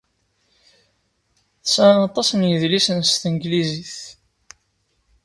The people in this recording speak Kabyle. Tesɛa aṭas n yidlisen s tanglizit.